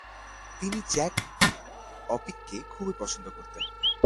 তিনি জ্যাক অপিককে খুবই পছন্দ করতেন।